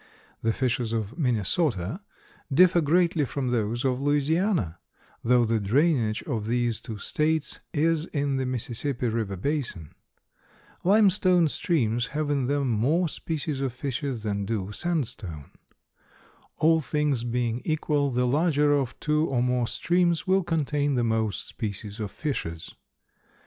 The fishes of Minnesota differ greatly from those of Louisiana, though the drainage of these two States is in the Mississippi river basin. Limestone streams have in them more species of fishes than do sandstone. All things being equal, the larger of two or more streams will contain the most species of fishes.